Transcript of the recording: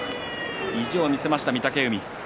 意地を見せました、御嶽海。